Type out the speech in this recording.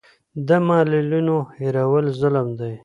د معلولینو هېرول ظلم دی.